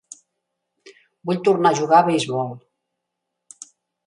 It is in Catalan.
Vull tornar a jugar a beisbol.